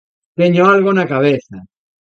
Teño algo na cabeza.